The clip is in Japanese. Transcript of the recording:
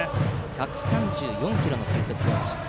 １３４キロの球速表示。